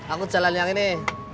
aku jalan yang ini